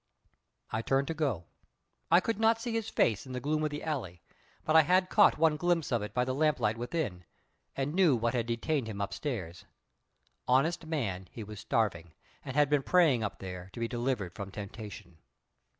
I turned to go. I could not see his face in the gloom of the alley, but I had caught one glimpse of it by the lamplight within, and knew what had detained him upstairs. Honest man, he was starving, and had been praying up there to be delivered from temptation.